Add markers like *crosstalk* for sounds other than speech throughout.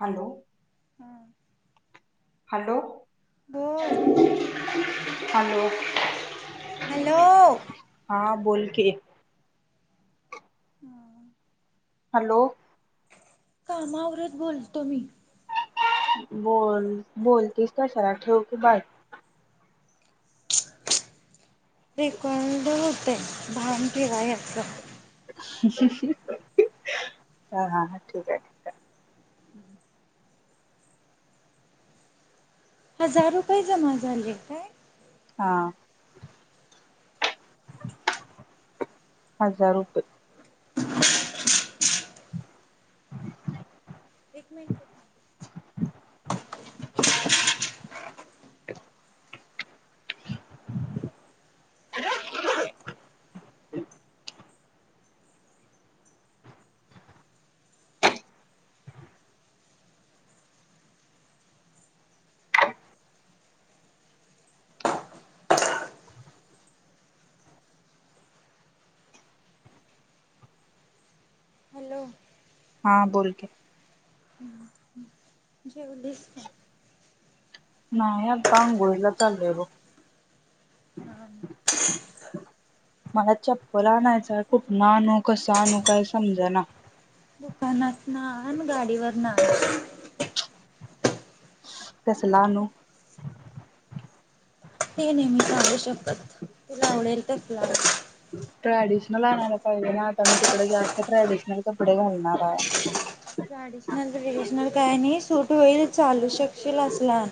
Hello! हम! Hello! Hello! Hello हा बोल की, ह! हॅलो! कामावरत बोलतो मी, बोल बोलतीस कशला ठेव की बा रखंड होतेय भान ठिवा याचा. हा हा ह ठीक आहे. आहे हजार रुपये जमा झाले आहेत काय, हा हजार रुपये, *inaudible* एक मिनट. *unintelligible* ए *unintelligible* हॅलो! हां बोल के, ह जेवलीस का? नाही आता आंघोळीला चालो बघ, ह! अ *unintelligible* मला चप्पल आणायच कुठंनं आणू, कसं आणू काय समजेना. दुकानाच ना गाडीवर ना कसला आणू. ते मी नाही सांगू शकत तुला आवडेल तसंल. ट्रॅडिशनल आणयला पाहिजे ना आता मी तिकडे जास्त ट्रॅडिशनल कपडे घालणार आहे. ट्रॅडिशनल ट्रेडिशनल काय नाही सूट होईल चालू शकशील असलं आण.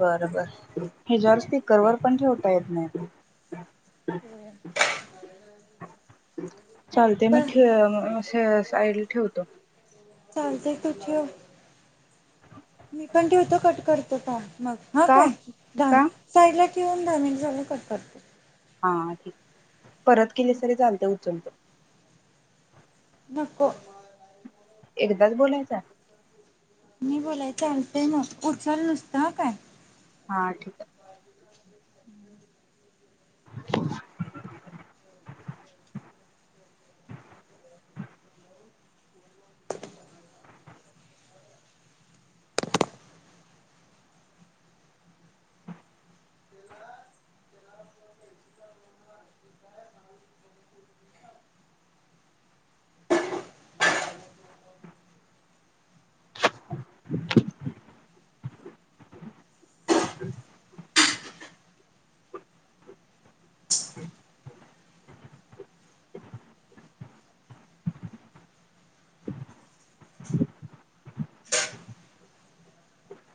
बरं बरं हे जास्ती कवर पण ठेवता येत नाही. चालते मी बर साईडला ठेवतो. ते तो ठेव. मी पण ठेवतो कट करतो का मग हा का काय. का साईड ला ठेवन दहा मिनिट झालं कटपत. हा परत केली तरी चालते *unintelligible* नको! एकदाच बोलायचा. मी बोलायच आलते न उचाल नुसतं काय? हां ठीक आहे. *unintelligible* *inaudible* *inaudible*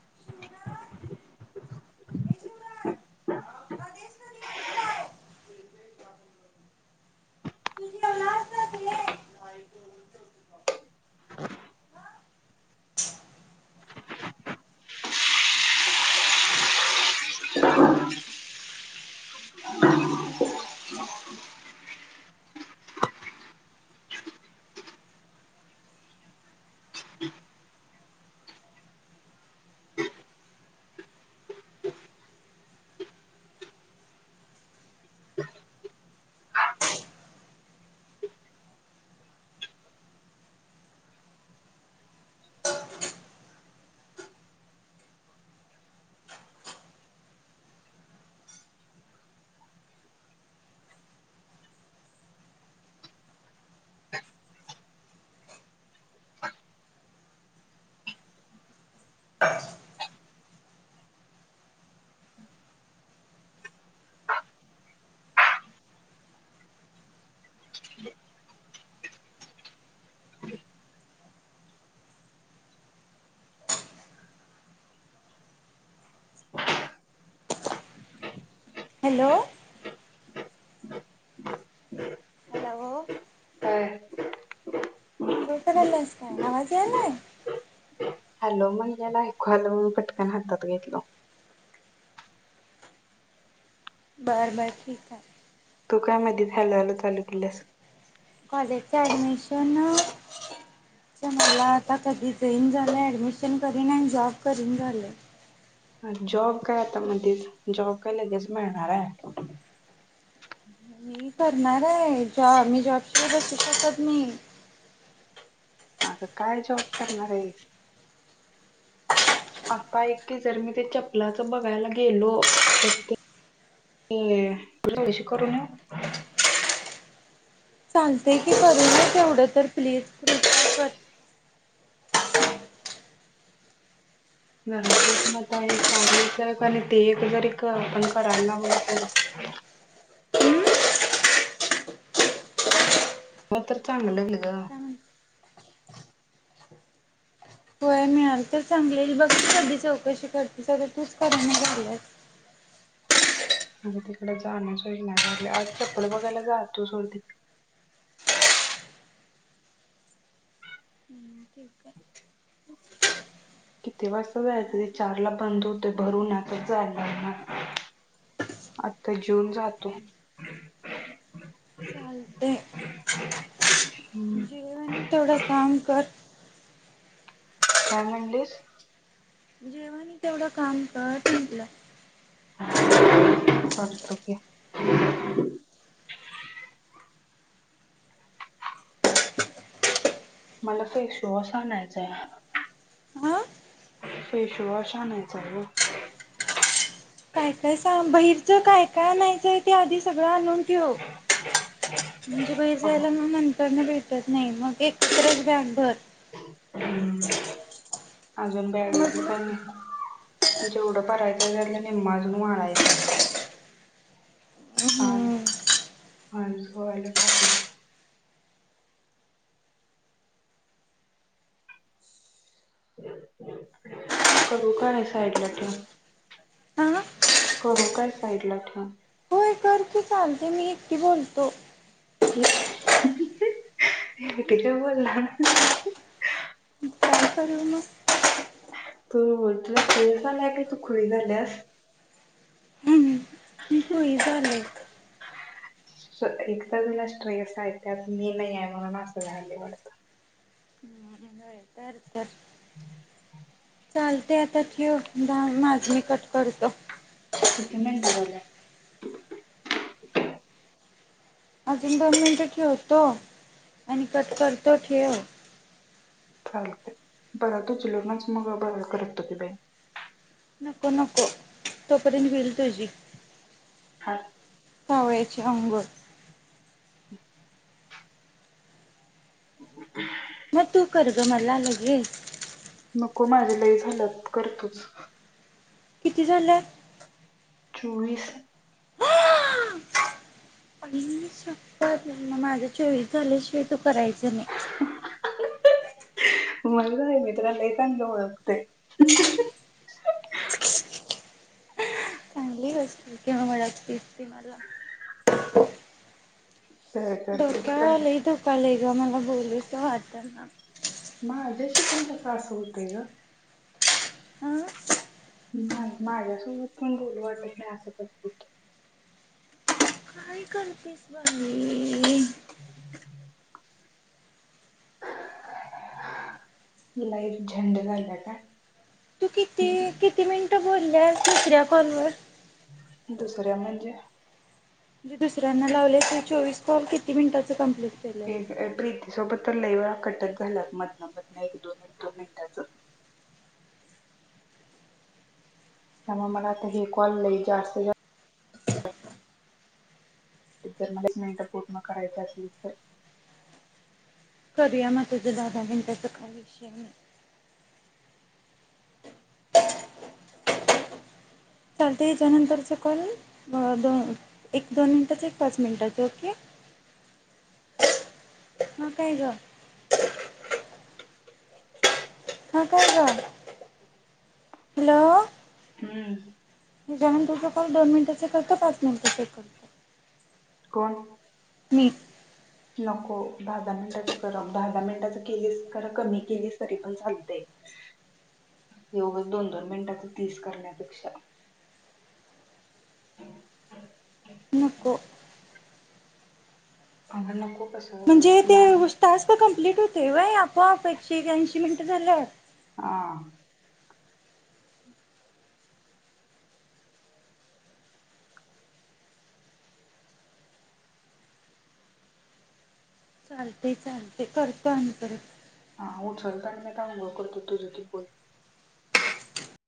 *inaudible* *inaudible* *unintelligible* *unintelligible* *unintelligible* *unintelligible* *unintelligible* *unintelligible* हा. *unintelligible* *unintelligible* हॅलो. ह. हॅलो. अ. अंघोळ करल्यास काय आवाज यायलाय? हॅलो म्हणल्याला ऐकू आलं म पटकन हातात घेतलं. बरं बरं ठीक आहे. तू काय मध्ये हॅलो हॅलो चालू केलास? कॉलेजचे ॲडमिशन. मला आता कधी जाईन झालं ऍडमिशन करीन आणि जॉब करीन झालं. जॉब काय आता मधेच जॉब काय लगेच मिळणार आहे. मी करणार आहे जॉब मी जॉब शिवाय बसू शकत नाही. आग काय जॉब करणार आहे? आता एक की जर मी ते चपलाच बघायला गेलो तर ते. ते तुला कशी करून. चालते की करूया तेवढं तर प्लीज पज. घरात बसून आता हे कार्यच आहे का आणि ते एक जरी आपण करायला लावल तर. *unintelligible* मग तर चांगलं ग. म्हण होय मिळाल तर चांगले बघ त कधी चौकशी करते तर तूच कराय झालास. म्हणजे तिकडं जाण्यासाठी नाही झाले आज चप्पल बघायला ज तू सोडती. ठीक आहे. किती वाजता जायचं ते चारला बंद होत भरून आताच जायला लागणार. आता जेऊन जातो. चालते. *unintelligible* जेव आनी तेवडं काम कर. काय म्हणलीस? *unintelligible* तेवढं काम कर म्हटलं. *unintelligible* मला फेसवॉश आणायचंय. हा फेशवॉश आणायचं आहे. काय काय सांग बहिरचं काय काय नाहीयचंय ते आधी सगळं आणून. म्हणजे बई जायला मग नंतर ना भेट. नाही मग एकत्रच बॅग भर. हम् अजून बॅग घेतलं समजलं त्यांनी. जेवढं परायचंय त्याला निम्माजून वाढळायचंय. हम्म ह अ सोवालटाकला *unintelligible* कबूकाने साईड लटे. हा करू काय साई तिला फोन. सांगते मी एकटी बोलतो कडे कथ बोलला ना क करू ना तू तुला स्ट्रेस झालाय का तू खुरी झाल्यास हो झाले एकला स्ट्रेस मी नाही याय म्ह ना असं व वात करर कर *unintelligible* हम् चालते आता ठेव दहा माजी कट करतो किती मिनटं झालं अजून दोन मिनटं ठेवतो आणि कट करतो ठेव चालते बरा तूचलूनच मग ब करत त बाई नको नको तोपयंत वईल तुझी ह सवळचे आंघोळ बकुल मग तू करग मला लगेल नको माझ्या लही झालं करतोच किती झाललंय चोवीस पत माझं चोवीस झाल्याशिवाय तू करायचं नाही मण आहे मित्राला चांग ओळखते व वागतेस त मला *unintelligible* तर कर तूच धोका्या कर आलं धोकालाय ग मला बोोलच वाटत ना मा माझ्याशी पण कसं असं होतय ग हा नाही माझ्यासोबत पण बोल वाटत नाही असंचठ काय कलपस बली हम् लाईट झंड झाला का तू किती किती मिनिटं बोलल्या दुसऱ्या कोल दुसऱ्या म्हणजे मी दुसऱ्यांना लावले क चोवीस कॉल किती मिनिटाचं कंप्लीट एक प्रीती सोबत तर लयवेळा कटक झालात मधन मधन एक दोन एक दोन मिनिटाचं त्याना मला ते हे कॉल ल जास्त जर मलाच मिनटं पूर्ण करायच असेल तर करूया मग तुझ्या दादा बि त्या का वि चालतेच्या नंतरच कॉल दोन एक दोन मिनिटाचं एक पाच मिनिटाचं ओके ह हा काय ग हां कोठ का हॅलो हम्म हे जाणून तुमचा कॉल दोन मिनिटाचे कर तर पाच मिनिटाचे कर कोण मी नको दहा दहा मिनिटाचं करा दहा दहा मिनिटाचं केलीस करा कमी केलीस तरी पण चालते एवघच दोन दोन मिनिटांच तीस करण्यापेक्षा नको अ नको कसं दहाम तास् कंप्लीट होते बाई आपोआप एकशे याऐंशी मिनटं झाल्या. *unintelligible* चालते चालते करतो आ करत. हा ह लता मता गकडत तो जती पोल